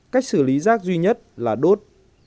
cách xử lý rác duy nhất là đốt